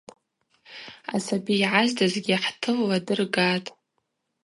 Асаби йгӏаздызгьи хӏтылла дыргатӏ.